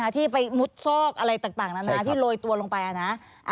ที่ไปมุดซอกอะไรต่างนานาที่โรยตัวลงไปนะ